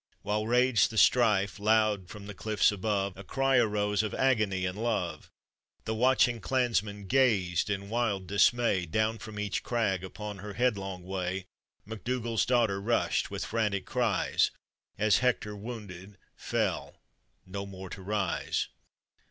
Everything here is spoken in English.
While waged the strife, loud from the cliffs above A cry arose of agony and love: The watching clansmen gazed in wild dismay: Down from each crag, upon her headlong way, MacDougall's daughter rushed, with frantic cries, As Hector, wounded, fell no more to rise.